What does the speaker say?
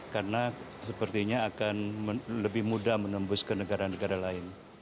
karena sepertinya akan lebih mudah menembus ke negara negara lain